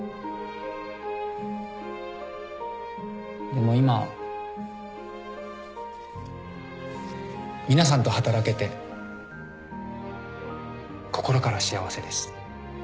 でも今皆さんと働けて心から幸せです。